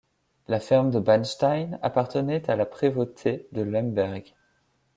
La ferme de Bannstein appartenait à la prévôté de Lemberg.